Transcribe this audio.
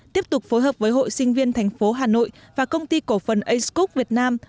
tiếp tục phối hợp với hội sinh viên thành phố hà nội và công ty cổ phần acecook việt nam